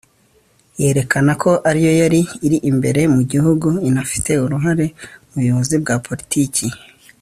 yerekana ko ariyo yari iri imbere mu gihugu, inafite uruhare mu buyobozi bwa politiki